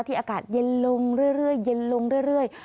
ที่อากาศเย็นลงเรื่อย